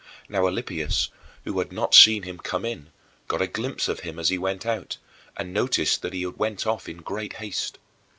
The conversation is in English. Now Alypius, who had not seen him come in, got a glimpse of him as he went out and noticed that he went off in great haste.